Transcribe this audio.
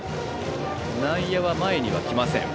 内野は前には来ません。